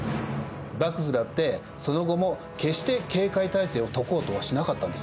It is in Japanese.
幕府だってその後も決して警戒態勢を解こうとはしなかったんですよ。